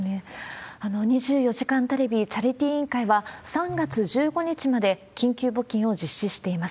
２４時間テレビチャリティー委員会は、３月１５日まで緊急募金を実施しています。